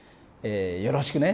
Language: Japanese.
よろしくね。